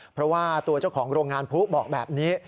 เพราะว่าตัวเจ้าของโรงงานผู้บอกแบบนี้